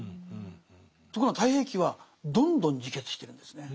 ところが「太平記」はどんどん自決してるんですね。